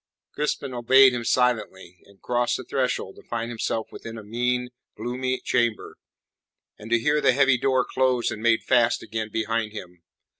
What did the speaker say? Crispin obeyed him silently, and crossed the threshold to find himself within a mean, gloomy chamber, and to hear the heavy door closed and made fast again behind him.